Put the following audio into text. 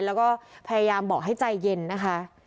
แล้วก็พยายามบอกให้ใจเย็นนะคะ